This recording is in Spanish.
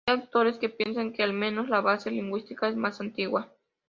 Hay autores que piensan que, al menos la base lingüística, es más antigua.